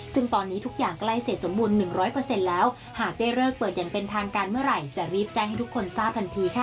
ซึ่งตอนนี้ทุกอย่างใกล้เสร็จสมบูรณ์หนึ่งร้อยเปอร์เซ็นต์แล้วหาเป้เริกเปิดอย่างเป็นทางกันเมื่อไหร่จะรีบแจ้งให้ทุกคนทราบทันทีค่ะ